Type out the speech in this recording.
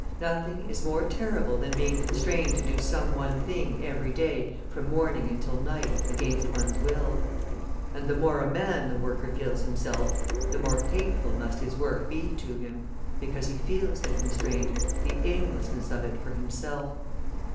Nothing is more terrible than being constrained to do some one thing every day from morning until night against one's will. And the more a man the worker feels himself, the more hateful must his work be to him, because he feels the constraint, the aimlessness of it for himself.